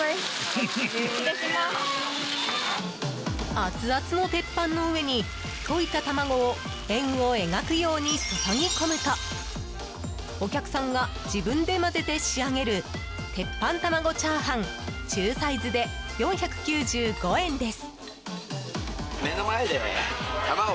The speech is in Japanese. アツアツの鉄板の上に溶いた卵を円を描くように注ぎ込むとお客さんが自分で混ぜて仕上げる鉄板玉子チャーハン中サイズで４９５円です。